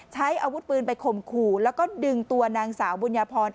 ใช้อาวุธปืนไปข่มขู่แล้วก็ดึงตัวนางสาวบุญญาพร